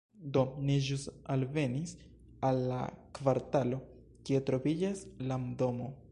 Do ni ĵus alvenis al la kvartalo, kie troviĝas la domo